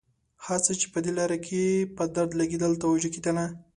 هر څه چې په دې لاره کې په درد لګېدل توجه کېدله.